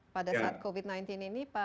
pada saat covid sembilan belas ini pak